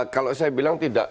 kalau saya bilang tidak